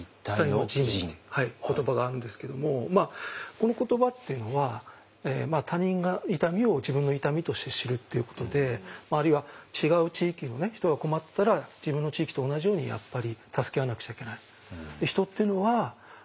言葉があるんですけどもこの言葉っていうのは他人が痛みを自分の痛みとして知るっていうことであるいは違う地域の人が困ってたら自分の地域と同じようにやっぱり助け合わなくちゃいけない。